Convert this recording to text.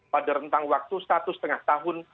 pada rentang waktu satu lima tahun